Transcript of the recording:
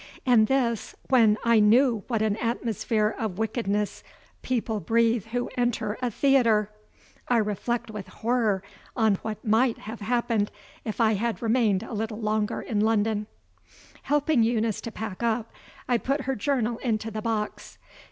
And this, when I knew what an atmosphere of wickedness people breathe who enter a theater! I reflect with horror on what might have happened if I had remained a little longer in London. Helping Eunice to pack up, I put her journal into the box.